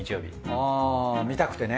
あぁ見たくてね。